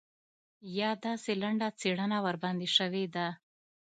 یا داسې لنډه څېړنه ورباندې شوې ده.